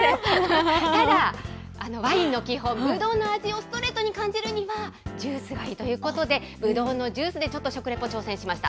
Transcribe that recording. ただ、ワインの基本、ぶどうの味をストレートに感じるには、ジュースがいいということで、ぶどうのジュースでちょっと食レポ挑戦しました。